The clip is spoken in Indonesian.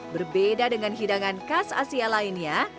berbeda dengan hidangan khas asia lainnya